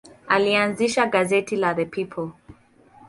Alianzisha gazeti la The People.